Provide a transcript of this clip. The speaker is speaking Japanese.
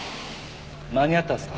間に合ったんすか？